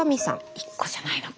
１個じゃないのか。